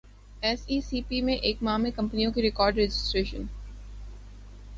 S E C P میں ایک ماہ میں کمپنیوں کی ریکارڈرجسٹریشن